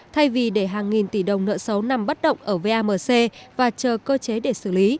thay vì để hàng nghìn tỷ đồng nợ xấu nằm bất động ở vamc và chờ cơ chế để xử lý